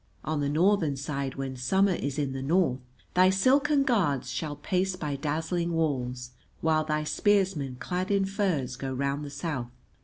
On the Northern side when summer is in the North thy silken guards shall pace by dazzling walls while thy spearsmen clad in furs go round the South.